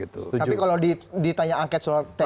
tapi kalau ditanya angket tki ini siap